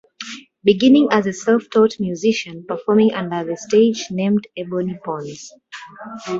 Beginning as a self-taught musician performing under the stage name 'Ebony Bones!